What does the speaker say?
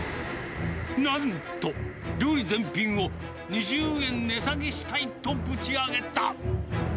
なんと、料理全品を２０円値下げしたいとぶち上げた。